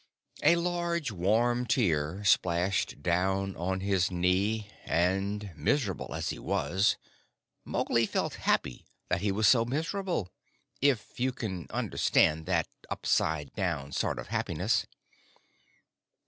A large, warm tear splashed down on his knee, and, miserable as he was, Mowgli felt happy that he was so miserable, if you can understand that upside down sort of happiness.